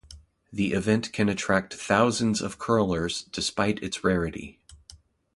The event can attract thousands of curlers despite its rarity.